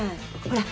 ほら。